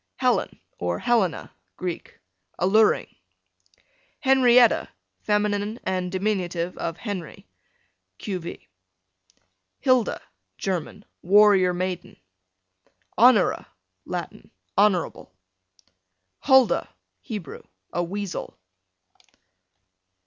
Helen, or Helena, Greek, alluring. Henrietta, fem. and dim. of Henry, q. v. Hilda, German, warrior maiden. Honora, Latin, honorable. Huldah, Hebrew, a weasel.